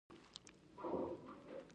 یو با تور ملت غر قیږی، یو مظبو ط وطن نړیزی